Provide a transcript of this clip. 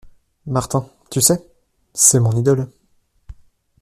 Martin, tu sais ? c’est mon idole !…